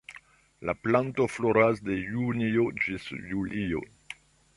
La planto floras de junio ĝis julio.